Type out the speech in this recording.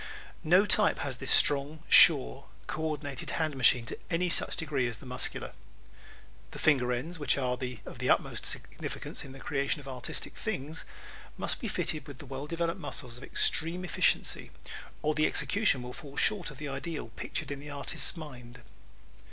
No type has this strong, sure, co ordinated hand machine to any such degree as the Muscular. The finger ends, which are of the utmost significance in the creation of artistic things, must be fitted with well developed muscles of extreme efficiency or the execution will fall short of the ideal pictured in the artist's mind.